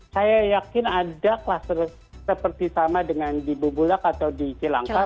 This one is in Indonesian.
saya yakin ada kluster seperti sama dengan di bubulak atau di cilangkap